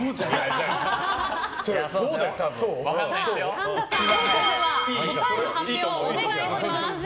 神田さん答えの発表をお願いします。